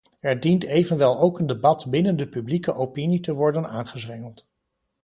Er dient evenwel ook een debat binnen de publieke opinie te worden aangezwengeld.